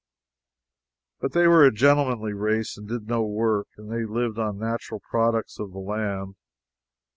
But they were a gentlemanly race and did no work. They lived on the natural products of the land.